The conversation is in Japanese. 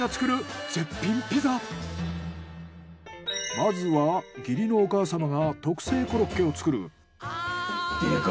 まずは義理のお母様が特製コロッケを作る。